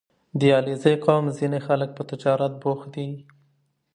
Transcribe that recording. • د علیزي قوم ځینې خلک په تجارت بوخت دي.